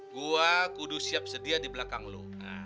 gua kudu siap sedia di belakang lu